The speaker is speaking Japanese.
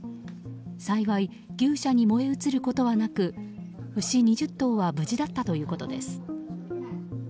幸い、牛舎に燃え移ることはなく牛２０頭は無事だったということです。